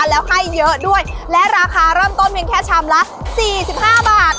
แล้วให้เยอะด้วยและราคาร่ำต้นเพียงแค่ชำละสี่สิบห้าบาท